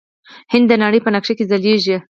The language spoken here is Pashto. هند د نړۍ په نقشه کې ځلیږي.